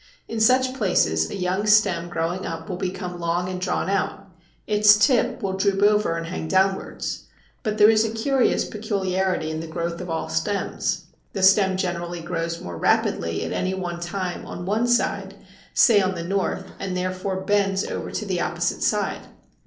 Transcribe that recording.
In such places a young stem growing up will become long and drawn out; its tip will droop over and hang downwards. But there is a curious peculiarity in the growth of all stems. The stem generally grows more rapidly at any one time on one side, say on the north, and therefore bends over to the opposite side.